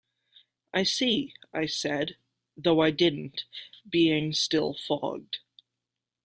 "I see," I said, though I didn't, being still fogged.